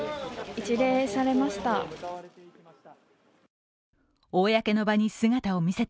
一礼されました。